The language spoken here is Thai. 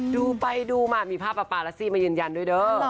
ดูไปดูมามีภาพป๊าปารัสซี่มายืนยันด้วยเด้อ